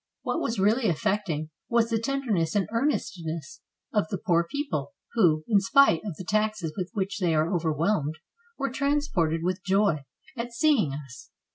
What was really affecting was the tenderness and earnestness of the poor people, who, in spite of the taxes with which they are overwhelmed, were transported with joy at seeing us.